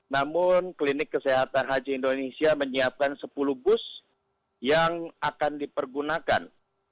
namun klinik kesehatan haji indonesia menyiapkan sepuluh bus yang akan dipergunakan